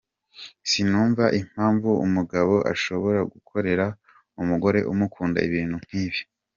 Sinumva impamvu umugabo ashobora gukorera umugore umukunda ibintu nkibi.